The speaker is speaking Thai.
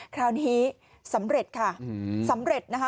คราวนี้สำเร็จค่ะสำเร็จนะคะ